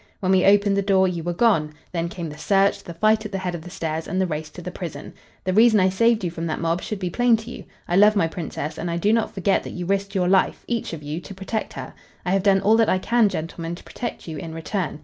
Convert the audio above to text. When we opened the door you were gone. Then came the search, the fight at the head of the stairs, and the race to the prison. The reason I saved you from that mob should be plain to you. I love my Princess, and I do not forget that you risked your life each of you to protect her. I have done all that I can, gentlemen, to protect you in return.